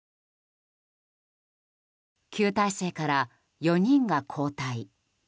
旧体制から４人が交代。